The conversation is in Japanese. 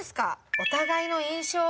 お互いの印象は。